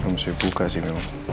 mesti buka sih